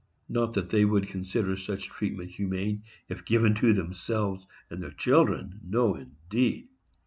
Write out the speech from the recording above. Not that they would consider such treatment humane if given to themselves and their children,—no, indeed!